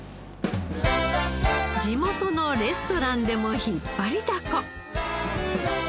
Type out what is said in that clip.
地元のレストランでも引っ張りだこ。